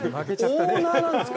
オーナーなんですか！？